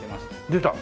出た？